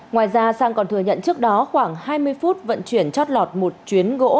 ngoài ra sang còn thừa nhận trước đó khoảng hai mươi phút vận chuyển chót lọt một chuyến gỗ